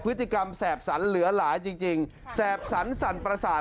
พฤติกรรมแสบสรรค์เหลือหลายจริงแสบสรรค์สั่นปรศาสตร์